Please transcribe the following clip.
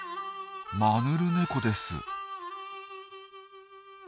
マヌルネコです。